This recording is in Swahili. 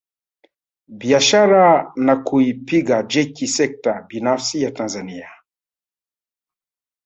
Biashara na kuipiga jeki sekta binafsi ya Tanzania